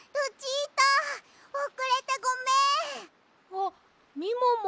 あっみもも。